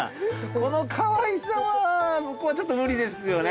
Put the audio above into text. このかわいさは向こうはちょっと無理ですよね。